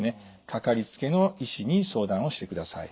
かかりつけの医師に相談をしてください。